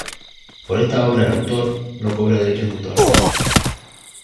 Por esta obra el autor no cobra derechos de autor.